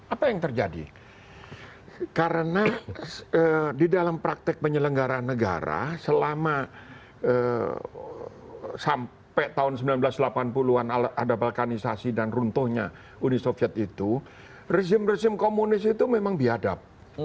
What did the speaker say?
apa yang terjadi karena di dalam praktek penyelenggaraan negara selama sampai tahun seribu sembilan ratus delapan puluh an ada vulkanisasi dan runtuhnya uni soviet itu rezim rezim komunis itu memang biadab